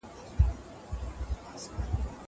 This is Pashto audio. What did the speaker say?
زه مخکې اوبه څښلې وې.